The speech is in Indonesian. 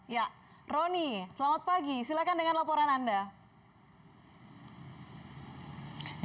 ya roni selamat pagi silakan dengan laporan anda